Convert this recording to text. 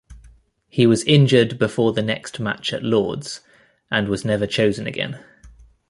He was injured before the next match at Lord's, and was never chosen again.